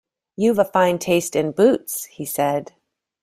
“You’ve a fine taste in boots,” he said.